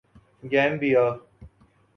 Gambia